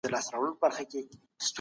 تعليم د ټولني پرمختګ ته لار هواروي.